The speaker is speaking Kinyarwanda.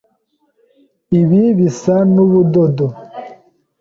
Ibi bisa nubudodo.